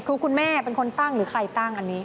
คือคุณแม่เป็นคนตั้งหรือใครตั้งอันนี้